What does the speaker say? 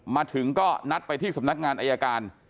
มาถึงก็นัดไปที่สำนักงานอายการ